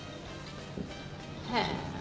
へえ。